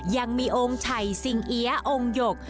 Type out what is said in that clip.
ยังมีองค์ไฉสิงเอี๊ยะองค์หยก